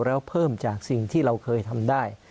แล้วเพิ่มจากสิ่งที่เราเคยทำได้